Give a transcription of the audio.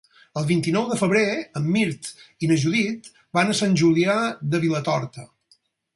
El vint-i-nou de febrer en Mirt i na Judit van a Sant Julià de Vilatorta.